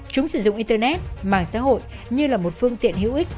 chúng sử dụng internet mạng xã hội như là một phương tiện hữu ích